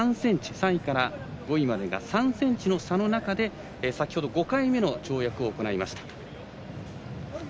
３位から５位までが３ｃｍの差の中で先ほど５回目の跳躍を行いました。